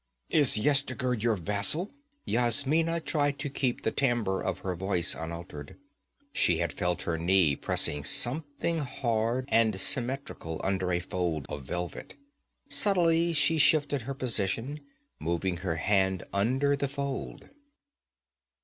'Is Yezdigerd your vassal?' Yasmina tried to keep the timbre of her voice unaltered. She had felt her knee pressing something hard and symmetrical under a fold of velvet. Subtly she shifted her position, moving her hand under the fold.